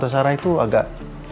tante sarah itu agak